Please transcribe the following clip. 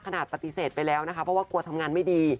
ปฏิเสธไปแล้วนะคะเพราะว่ากลัวทำงานไม่ดี